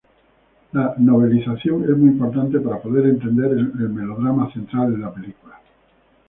La novelización es muy importante para poder entender la melodrama central en la película.